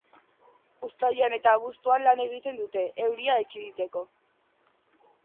Uztailean eta abuztuan lan egiten dute, euria ekiditeko.